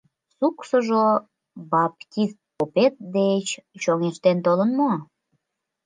— «Суксыжо баптист попет деч чоҥештен толын мо?